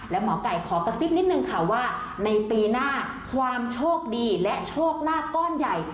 และหมอไก่ขอกระซิบนิดนึงค่ะว่าในปีหน้าความโชคดีและโชคลาภก้อนใหญ่